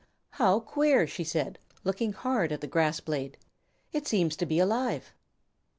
"How queer," she said, looking hard at the grass blade; "it seems to be alive!"